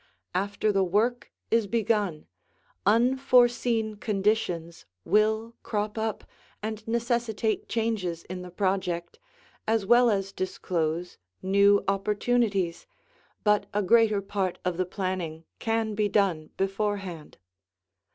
After the work is begun, unforeseen conditions will crop up and necessitate changes in the project, as well as disclose new opportunities, but a greater part of the planning can be done beforehand.